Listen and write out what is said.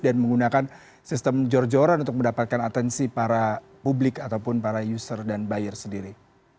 dan menggunakan sistem jor joran untuk mendapatkan atensi para publik ataupun para user dan buyer sendiri